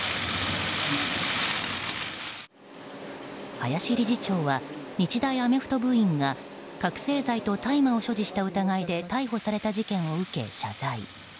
林理事長は日大アメフト部員が覚醒剤と大麻を所持した疑いで逮捕された事件を受け謝罪。